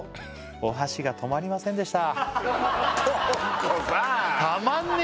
「お箸が止まりませんでした」